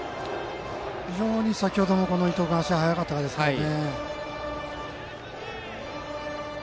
非常に先程も伊藤君は足が速かったのでね。